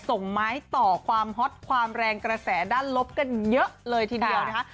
ส่งไม้ต่อความฮอตความแรงกระแสด้านลบกันเยอะเลยทีเดียวนะคะ